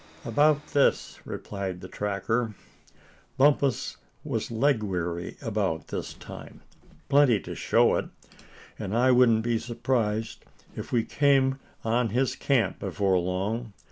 "About this," replied the tracker. "Bumpus was leg weary about this time. Plenty to show it. And I wouldn't be surprised if we came on his camp before long.